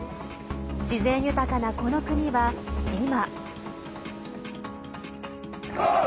自然豊かなこの国は、今。